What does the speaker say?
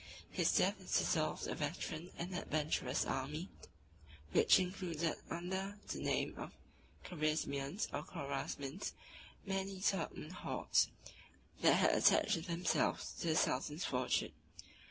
His death dissolved a veteran and adventurous army, which included under the name of Carizmians or Corasmins many Turkman hordes, that had attached themselves to the sultan's fortune.